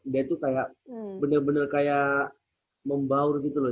dia tuh kayak bener bener kayak membaur gitu loh